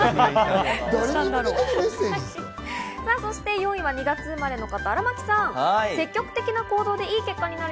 ４位は２月生まれの方、荒牧さん。